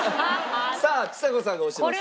さあちさ子さんが押してます。